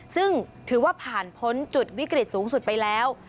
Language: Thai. ซึ่งถือว่าผ่านพ้นจุดวิกฤตสูงสุดไปแล้ว